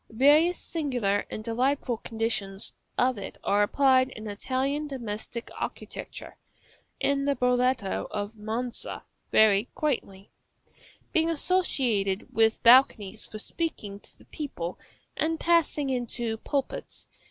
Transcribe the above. Various singular and delightful conditions of it are applied in Italian domestic architecture (in the Broletto of Monza very quaintly), being associated with balconies for speaking to the people, and passing into pulpits.